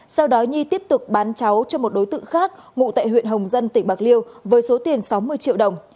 sau đó nhi tiếp tục bán cháu cho một đối tượng khác ngụ tại huyện hồng dân tỉnh bạc liêu với số tiền sáu mươi triệu đồng